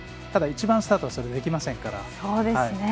ただ１番スタートはそれができませんから。